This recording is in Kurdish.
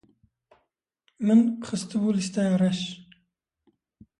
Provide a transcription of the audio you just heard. Min xistibû lîsteya reş.